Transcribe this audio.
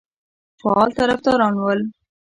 فعال طرفداران ول.